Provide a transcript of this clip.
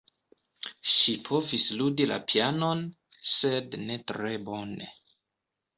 Ŝi povis ludi la pianon, sed ne tre bone.